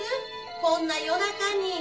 こんな夜中に。